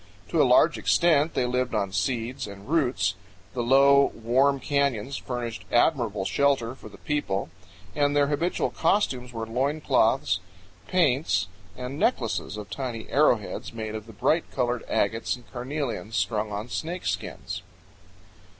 To a large extent they lived on seeds and roots. The low, warm canyons furnished admirable shelter for the people, and their habitual costumes were loincloths, paints, and necklaces of tiny arrowheads made of the bright colored agates and carnelians strung on snakeskins.